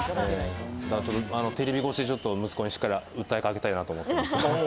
テレビ越しで息子にしっかり訴えかけたいなと思っています。